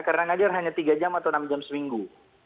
karena mengajar hanya tiga jam atau enam jam seminggu